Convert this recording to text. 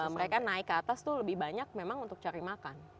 mereka naik ke atas itu lebih banyak memang untuk cari makan